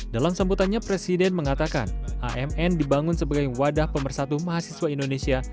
dalam sambutannya presiden mengatakan amn dibangun sebagai wadah pemersatu mahasiswa indonesia